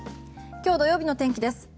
今日土曜日の天気です。